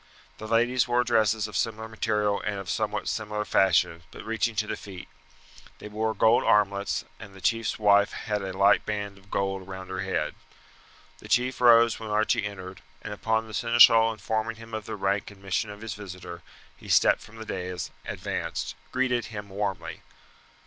The ladies wore dresses of similar material and of somewhat similar fashion, but reaching to the feet. They wore gold armlets; and the chief's wife had a light band of gold round her head. The chief rose when Archie entered; and upon the seneschal informing him of the rank and mission of his visitor he stepped from the dais, and advancing, greeted him warmly.